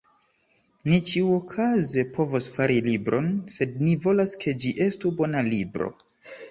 Ni ĉiuokaze povos fari libron, sed ni volas ke ĝi estu bona libro.